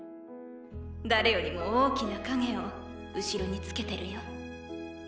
誰よりも大きな影を後ろに付けてるよ。